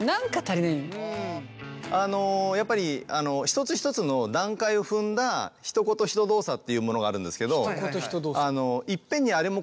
あのやっぱり一つ一つの段階を踏んだひと言ひと動作というものがあるんですけど。